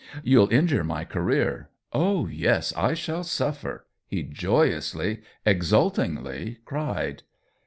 " You'll injure my career. Oh yes, I shall suffer !" he joyously, exultingly cried.